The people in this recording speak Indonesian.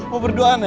mau berduaan ya